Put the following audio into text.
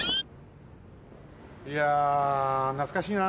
いやなつかしいな。